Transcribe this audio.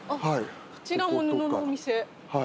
こちらも布のお店。